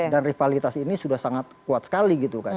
dan rivalitas ini sudah sangat kuat sekali gitu kan